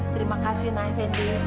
terima kasih nak fendi